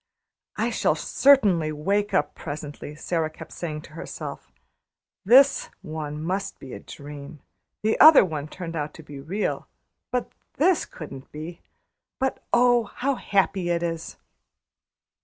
"I shall certainly wake up presently," Sara kept saying to herself. "This one must be a dream. The other one turned out to be real; but this couldn't be. But, oh! how happy it is!"